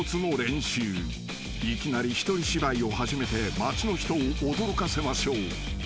［いきなり一人芝居を始めて街の人を驚かせましょう］